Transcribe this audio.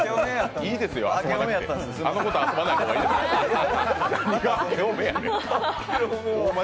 いいですって、あの子と遊ばない方がいいですよ。